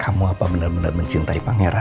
kamu apa bener bener mencintai pangeran